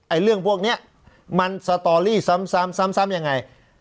ไอเรื่องพวกเนี้ยมันสตอรี่ซ้ำยังไง